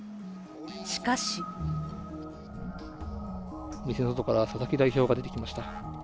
しかし店から佐々木代表が出てきました。